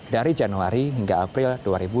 dari januari hingga april dua ribu dua puluh